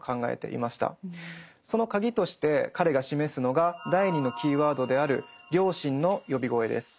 そのカギとして彼が示すのが第２のキーワードである「良心の呼び声」です。